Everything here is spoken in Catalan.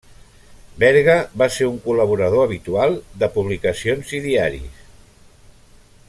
Berga va ser un col·laborador habitual de publicacions i diaris.